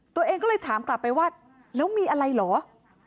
ตัวเองก็เลยถามกลับไปว่าแล้วมีอะไรเหรอ